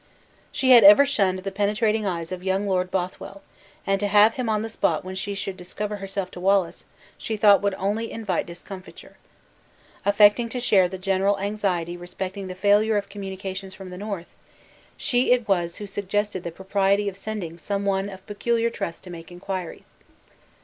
She had ever shunned the penetrating eyes of young Lord Bothwell, and to have him on the spot when she should discover herself to Wallace, she thought would only invite discomfiture. Affecting to share the general anxiety respecting the failure of communications from the north, she it was who suggested the propriety of sending some one of peculiar trust to make inquiries.